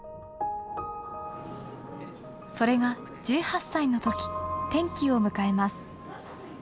それが１８歳の時転機を迎えます。